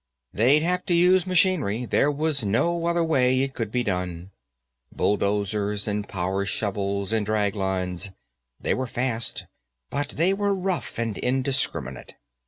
They'd have to use machinery; there was no other way it could be done. Bulldozers and power shovels and draglines; they were fast, but they were rough and indiscriminate.